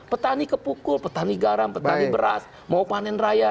petani kepukul petani garam petani beras mau panen raya